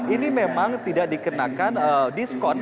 ini memang tidak dikenakan diskon